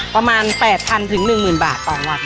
ประมาณ๘๐๐๑๐๐บาทต่อวัน